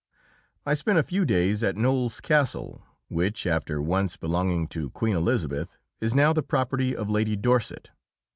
I spent a few days at Knowles Castle, which, after once belonging to Queen Elizabeth, is now the property of Lady Dorset.